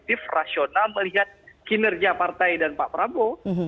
maksudnya itu agak negatif rasional melihat kinerja partai dan pak prabowo